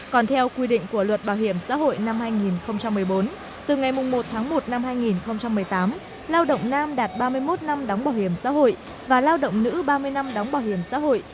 còn theo quy định của luật bảo hiểm xã hội năm hai nghìn một mươi bốn từ ngày một tháng một năm hai nghìn một mươi tám lao động nam đạt ba mươi một năm đóng bảo hiểm xã hội và lao động nữ ba mươi năm đóng bảo hiểm xã hội